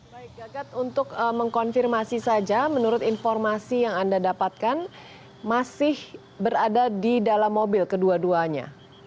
baik gagat untuk mengkonfirmasi saja menurut informasi yang anda dapatkan masih berada di dalam mobil kedua duanya